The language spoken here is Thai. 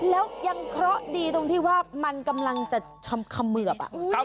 แล้วยังเคราะห์ดีตรงที่ว่ามันกำลังจะเขมือบ